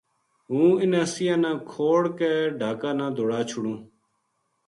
ہوں انھ سَینہاں نا کھوڑ کے ڈھاکا نا دوڑا چھوڈوں